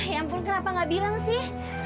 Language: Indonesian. ya ampun kenapa gak bilang sih